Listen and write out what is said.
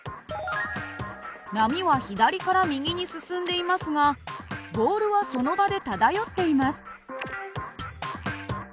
波は左から右に進んでいますがボールはその場で漂っています。